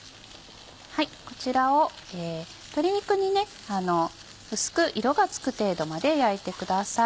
こちらを鶏肉に薄く色がつく程度まで焼いてください。